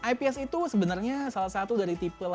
ips itu sebenarnya salah satu jenis layar yang lebih mahal